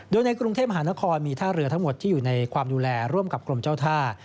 โดยในกรุงเทพมหานครมีท่าเรือทั้งหมดที่อยู่ในความดูแลร่วมกับกรมเจ้าท่า